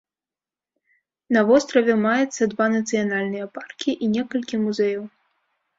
На востраве маецца два нацыянальныя паркі і некалькі музеяў.